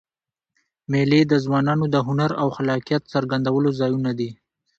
مېلې د ځوانانو د هنر او خلاقیت څرګندولو ځایونه دي.